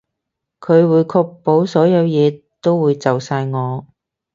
佢會確保所有嘢都會就晒我